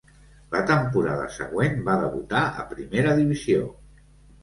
La temporada següent va debutar a Primera divisió.